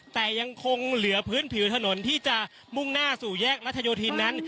แต่ยังคงเหลือพื้นผิวถนนที่จะมุ่งหน้าสู่แยกรัชโยธินนั้น